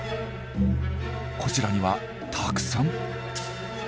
こちらにはたくさん。